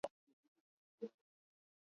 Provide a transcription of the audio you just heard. na shingo vimerefushwa